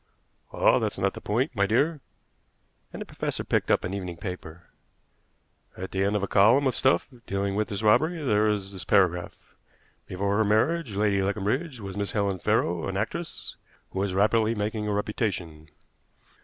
"Ah! that's not the point, my dear," and the professor picked up an evening paper. "At the end of a column of stuff dealing with this robbery there is this paragraph: 'Before her marriage Lady Leconbridge was Miss Helen Farrow, an actress, who was rapidly making a reputation.